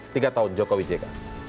tiga tahun jokowi jk